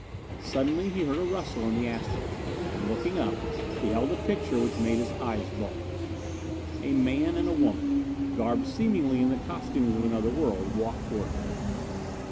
Suddenly he heard a rustle in the aspens, and, looking up, beheld a picture which made his eyes bulge. A man and a woman, garbed seemingly in the costumes of another world, walked toward him.